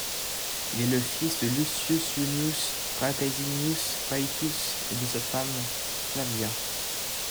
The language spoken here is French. Il est le fils de Lucius Junius Caesennius Paetus et de sa femme Flavia.